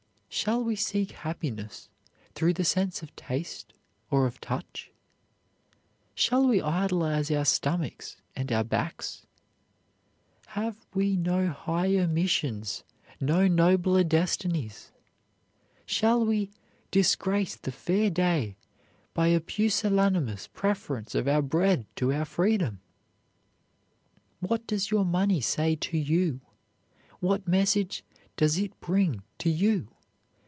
Shall we seek happiness through the sense of taste or of touch? Shall we idolize our stomachs and our backs? Have we no higher missions, no nobler destinies? Shall we "disgrace the fair day by a pusillanimous preference of our bread to our freedom"? What does your money say to you: what message does it bring to you?